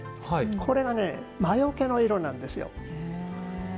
これがね、魔よけの色なんですよ。